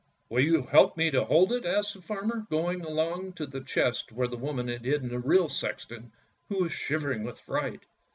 "Will you help me to hold it! " asked the farmer, going along to the chest where the woman had hidden the real sexton, who was shivering with fright.